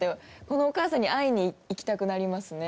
このお母さんに会いに行きたくなりますね。